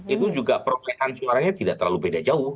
itu juga perolehan suaranya tidak terlalu beda jauh